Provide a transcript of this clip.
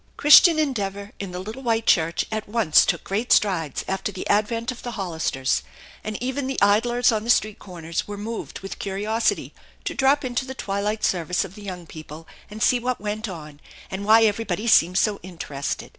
Christian Endeavor in the little White church at once took great strides after the advent of 14 <i09 210 THE ENCHANTED BARN the Hollisters, and even the idlers on the street corners were moved with curiosity to drop into the twilight service of the young people and see what went on, and why everybody seemed so interested.